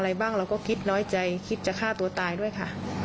อะไรบ้างเราก็คิดน้อยใจคิดจะฆ่าตัวตายด้วยค่ะ